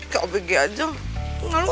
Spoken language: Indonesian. kau begitu aja aku gak nyuap